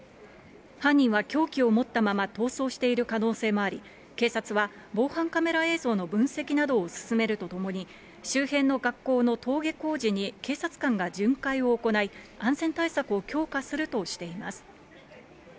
犯人は凶器を持ったまま逃走している可能性もあり、警察は防犯カメラ映像の分析などを進めるとともに、周辺の学校の登下校時に警察官が巡回を行い、安全対策を強化するとしています。